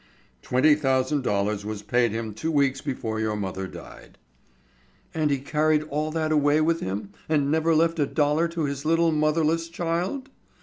"Twenty thousand dollars was paid him two weeks before your mother died." "And he carried all that away with him and never left a dollar to his little motherless child?